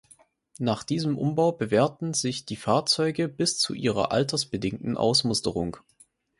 Nach diesem Umbau bewährten sich die Fahrzeuge bis zu ihrer altersbedingten Ausmusterung.